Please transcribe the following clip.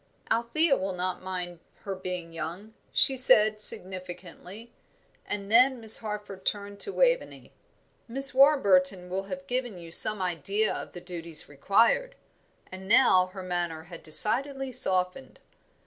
"Althea will not mind her being young," she said, significantly; and then Miss Harford turned to Waveney. "Miss Warburton will have given you some idea of the duties required" and now her manner had decidedly softened.